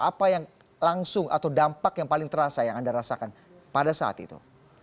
apa yang langsung atau dampak yang paling terasa yang anda rasakan pada saat itu